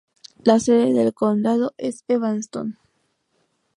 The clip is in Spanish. La sede del condado es Evanston.